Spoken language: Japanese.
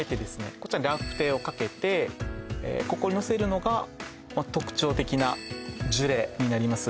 こちらにラフテーをかけてここにのせるのが特徴的なジュレになります